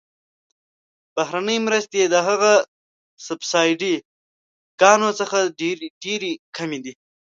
بهرنۍ مرستې د هغه سبسایډي ګانو څخه ډیرې کمې دي.